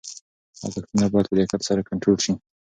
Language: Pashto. لګښتونه باید په دقت سره کنټرول شي.